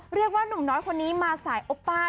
เรียกว่าหนูน้อยคนนี้มาสายอบบ้า